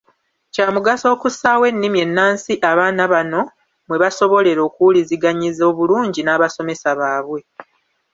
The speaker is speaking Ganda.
Kya mugaso okussaawo ennimi ennansi abaana bano mwe basobolera okuwuliziganyiza obulungi n’abasomesa baabwe.